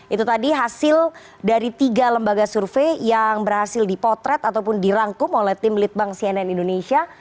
itu tadi hasil dari tiga lembaga survei yang berhasil dipotret ataupun dirangkum oleh tim litbang cnn indonesia